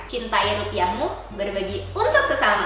cintai rupiahmu berbagi untuk sesama